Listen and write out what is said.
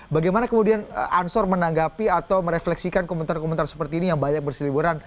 bagaimana kemudian ansor menanggapi atau merefleksikan komentar komentar seperti ini yang banyak berseliburan